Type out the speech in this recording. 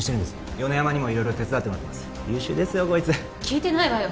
米山にも色々手伝ってもらってます優秀ですよこいつ聞いてないわよ